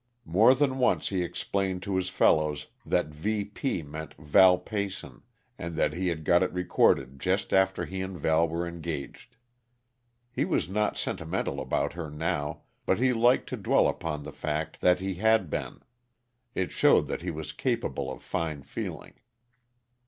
More than once he explained to his fellows that VP meant Val Peyson, and that he had got it recorded just after he and Val were engaged. He was not sentimental about her now, but he liked to dwell upon the fact that he had been; it showed that he was capable of fine feeling.